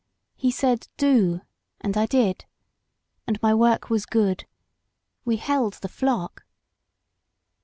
He said, Do, and I did. And my work was good. We held the flock.